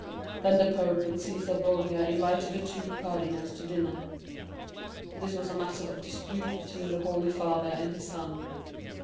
Then the pope and Cæsar Borgia invited the two cardinals to dinner. This was a matter of dispute between the Holy Father and his son.